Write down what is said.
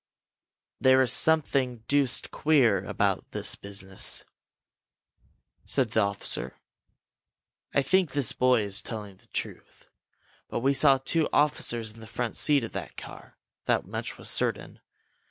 "There is something deuced queer about this business!" said the officer. "I think this boy is telling the truth, but we saw two officers in the front seat of that car. That much was certain.